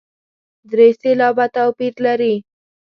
درې سېلابه توپیر لري.